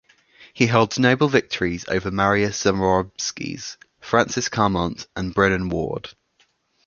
He holds notable victories over Marius Zaromskis, Francis Carmont, and Brennan Ward.